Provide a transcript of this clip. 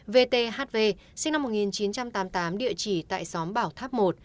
vthv sinh năm một nghìn chín trăm tám mươi tám địa chỉ tại xóm bảo tháp một